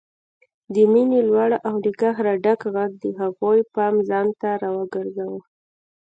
د مينې لوړ او له قهره ډک غږ د هغوی پام ځانته راوګرځاوه